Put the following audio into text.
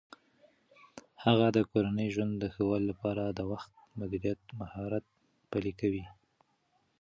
هغه د کورني ژوند د ښه والي لپاره د وخت مدیریت مهارت پلي کوي.